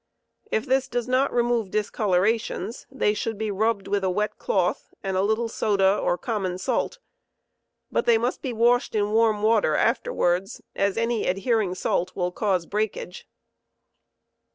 If this does not remove discolorattons they should be rubbed with a wet Cloth and a little soda or common salt; but they must be washed in warm water afterwards, * as any adhering salt will cause breakage.